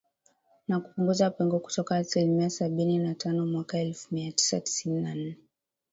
na kupunguza pengo kutoka asilimia sabini na tano mwaka elfu mia tisa tisini na nne